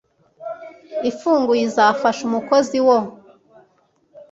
ifunguye izafasha umukozi wo